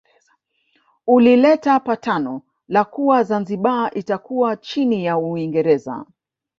Ulileta patano la kuwa Zanzibar itakuwa chini ya Uingereza